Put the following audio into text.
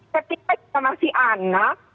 ketika kita masih anak